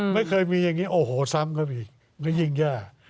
ไม่เคยมีอย่างนี้โอ้โหซ้ำครับอีกยิ่งยาก